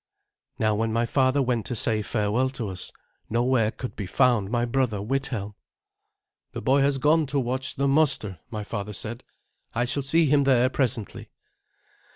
Now when my father went to say farewell to us, nowhere could be found my brother Withelm. "The boy has gone to watch the muster," my father said. "I shall see him there presently."